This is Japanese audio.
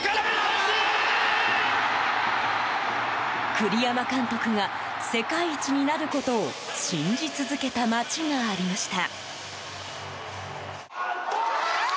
栗山監督が世界一になることを信じ続けた町がありました。